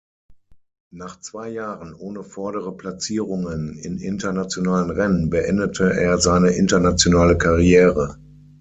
Nach zwei Jahren ohne vordere Platzierungen in internationalen Rennen beendete er seine internationale Karriere.